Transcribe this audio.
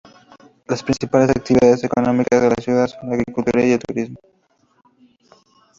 Las principales actividades económicas de la ciudad son la agricultura y el turismo.